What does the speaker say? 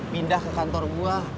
pindah ke kantor gue